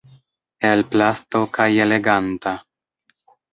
El plasto kaj „eleganta“.